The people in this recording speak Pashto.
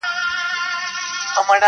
• تر سفر مخکي د مرګ په خوله کي بند وو -